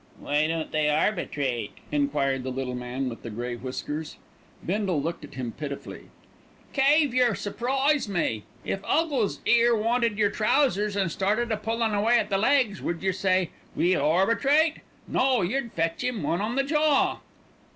"Why don't they arbitrate?" enquired the little man with the grey whiskers. Bindle looked at him pitifully. "Cave, yer surprise me. If 'Uggles 'ere wanted your trousers and started a pullin' away at the legs, would yer say, 'We'll arbitrate'? No, yer'd fetch 'im one on the jaw."